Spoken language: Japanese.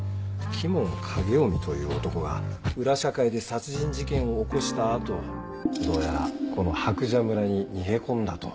鬼門影臣という男が裏社会で殺人事件を起こした後どうやらこの白蛇村に逃げ込んだと。